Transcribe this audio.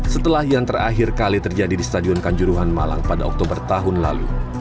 setelah yang terakhir kali terjadi di stadion kanjuruhan malang pada oktober tahun lalu